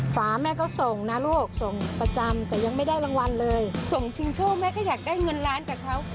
ฝาแม่ก็ส่งนะลูกส่งประจำแต่ยังไม่ได้รางวัลเลยส่งชิงโชคแม่ก็อยากได้เงินล้านจากเขา